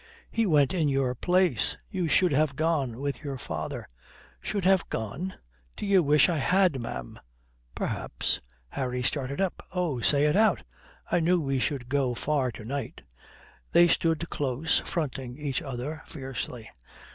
"He went in your place. You should have gone with your father." "Should have gone? D'ye wish I had, ma'am?" "Perhaps." Harry started up. "Oh, say it out. I knew we should go far to night." They stood close, fronting each other fiercely.